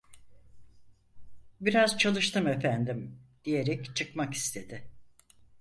"Biraz çalıştım efendim!" diyerek çıkmak istedi.